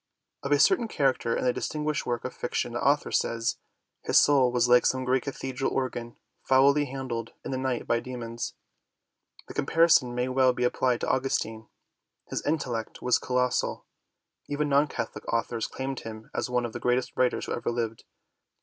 Of a certain character in a distinguished work of fiction the author says: "His soul was like some great cathedral organ foully handled in the night by demons." The com parison may well be applied to Augustine. His intellect was colossal. Even non Catholic authors claim him as one of the greatest writers who ever lived.